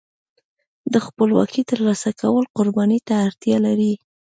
د خپلواکۍ ترلاسه کول قربانۍ ته اړتیا لري.